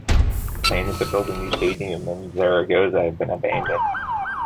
Plans to build a new stadium in Zaragoza have been abandoned.